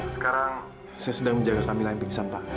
sekarang saya sedang menjaga kambilan yang biksa pak